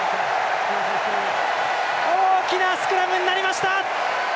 大きなスクラムになりました！